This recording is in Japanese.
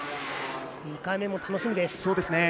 ２回目も楽しみです。